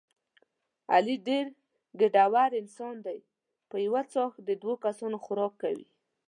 علي ډېر ګېډور انسان دی په یوه څاښت د دوه کسانو خوراک کوي.